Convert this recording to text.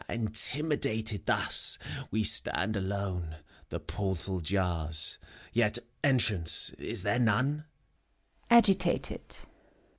Intimidated thus, we stand alone. — The portal jars, yet entrance is there none. (Agitated.)